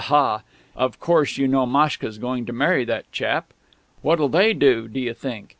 ha!).... Of course you know Maschka's going to marry that chap? What'll they do, do you think?